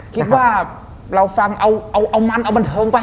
คิดว่าเราฟังเอามันเอาบันเทิงไป